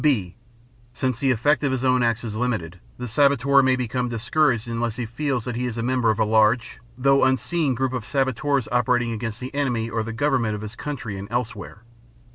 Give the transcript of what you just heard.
(b) Since the effect of his own acts is limited, the saboteur may become discouraged unless he feels that he is a member of a large, though unseen, group of saboteurs operating against the enemy or the government of his own country and elsewhere.